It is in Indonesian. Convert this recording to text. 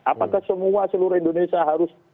apakah semua seluruh indonesia harus